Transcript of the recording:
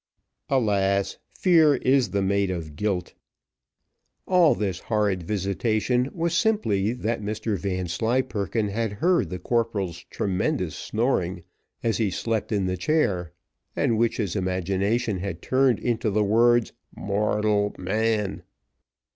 Alas! Fear is the mate of guilt. All this horrid visitation was simply that Mr Vanslyperken had heard the corporal's tremendous snoring, as he slept in the chair, and which his imagination had turned into the words, "Mortal man."